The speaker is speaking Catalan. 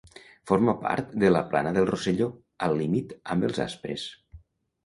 Forma part de la Plana del Rosselló, al límit amb els Aspres.